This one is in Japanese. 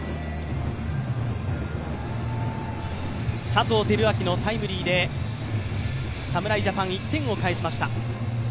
佐藤輝明のタイムリーで侍ジャパン、１点を返しました。